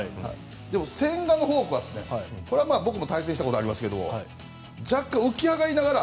千賀のフォークは僕も対戦したことがありますが若干浮き上がりながら